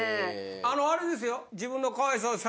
あのあれですよ。